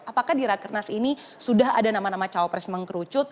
apakah di rakernas ini sudah ada nama nama cawapres mengkerucut